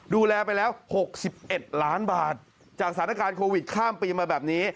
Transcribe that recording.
ดูแลไปแล้ว๖๑ล้านบาทจากสถานการณ์โควิดข้ามปีมาแบบนี้